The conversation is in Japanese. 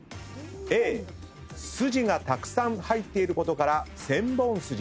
Ａ筋がたくさん入っていることからセンボンスジ。